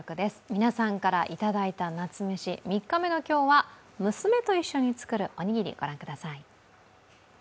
皆さんからいただいた夏メシ３日目の今日は娘と一緒に作るおにぎり、御覧ください。